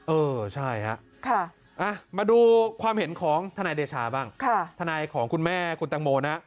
เออใช่ฮะมาดูความเห็นของทนายเดชาบ้างทนายของคุณแม่คุณตังโมนะ